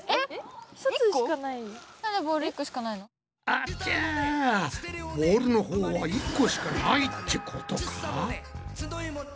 あちゃボウルのほうは１個しかないってことかぁ。